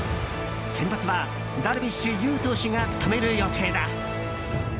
先発はダルビッシュ有投手が務める予定だ。